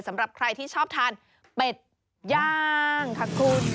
สำหรับใครที่ชอบทานเป็ดย่างค่ะคุณ